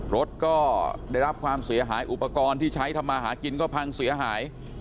รถก็ได้รับความเสียหายอุปกรณ์ที่ใช้ทำมาหากินก็พังเสียหาย